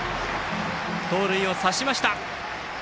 盗塁を刺しました。